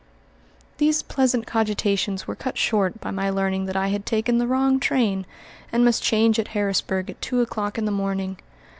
These pleasant cogitations were cut short by my learning that I had taken the wrong train, and must change at Harrisburg at two o'clock in the morning.